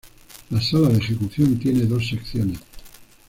La sala de ejecución tiene dos secciones.